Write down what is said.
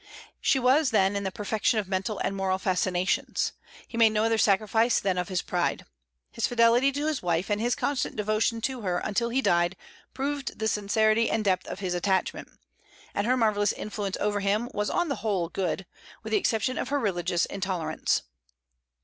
She was then in the perfection of mental and moral fascinations. He made no other sacrifice than of his pride. His fidelity to his wife, and his constant devotion to her until he died, proved the sincerity and depth of his attachment; and her marvellous influence over him was on the whole good, with the exception of her religious intolerance.